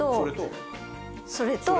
それと。